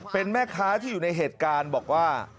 เป็นแม่ค้าที่อยู่ในเหตุการณ์บอกว่า